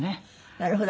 なるほど。